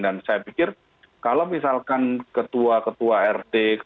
dan saya pikir kalau misalkan ketua ketua rt